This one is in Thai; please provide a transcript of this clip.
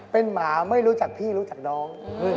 เป็นหมาไม่รู้จักพี่รู้จักน้อง